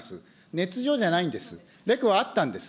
ねつ造じゃないんです、レクはあったんです。